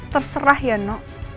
terserah ya no